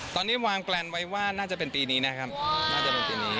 ตอนนี้วางแกนท์ไว้ว่าน่าจะเป็นปีนี้นะครับ